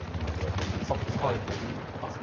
使い始めがですね。